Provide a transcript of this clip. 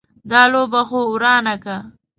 دا لوبه خو ورانه که.